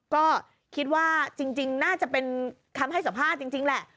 ก็คิดว่าจริงน่าจะเป็นคำให้สัมภาษณ์จริงแหละ